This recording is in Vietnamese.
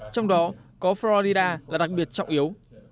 trong đó có florida là đặc biệt trọng yếu